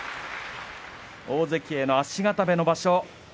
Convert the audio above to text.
大関への足固めの場所